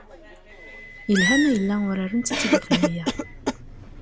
Yelha ma yella uran-tt ad tt-id-afen wiyaḍ.